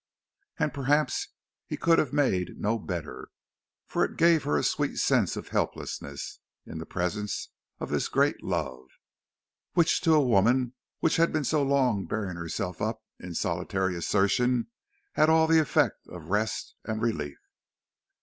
And perhaps he could have made no better, for it gave her a sweet sense of helplessness in the presence of this great love, which to a woman who had been so long bearing herself up in solitary assertion had all the effect of rest and relief.